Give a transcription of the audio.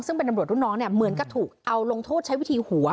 ซึ่งเป็นตำรวจรุ่นน้องเนี่ยเหมือนกับถูกเอาลงโทษใช้วิธีหัว